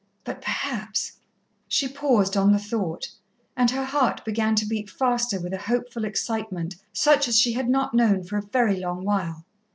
But perhaps " She paused on the thought, and her heart began to beat faster with a hopeful excitement such as she had not known for a very long while.